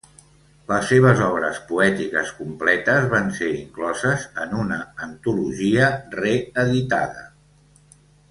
Les seves obres poètiques completes van ser incloses en una antologia re-editada.